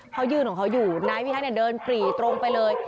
เขายืนของเขาอยู่นายพิทักษ์เดินปรีตรงไปเลย